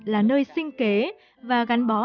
là nơi sinh kế và gắn bó